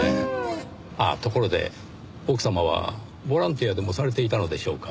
あっところで奥様はボランティアでもされていたのでしょうか？